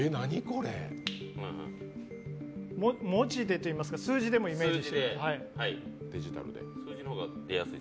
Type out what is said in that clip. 文字でといいますか、数字でもイメージしてください。